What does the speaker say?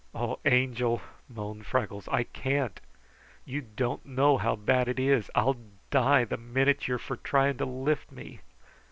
"Oh, Angel!" moaned Freckles, "I can't! You don't know how bad it is. I'll die the minute you are for trying to lift me!"